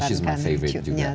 dan dia juga favorit saya